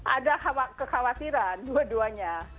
ada kekhawatiran dua duanya